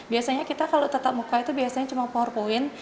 biasanya kita kalau tetap muka itu biasanya cuma empat point